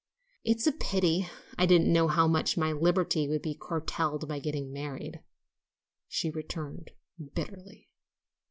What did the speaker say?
"It's a pity I didn't know how much my liberty would be curtailed by getting married," she returned bitterly.